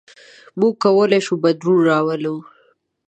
موږ کولی شو بدلون راولو.